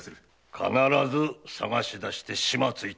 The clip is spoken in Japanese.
必ず捜しだして始末いたせ。